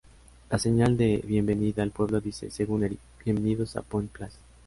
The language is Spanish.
La señal de bienvenida al pueblo dice, según Eric, "Bienvenidos a Point Place.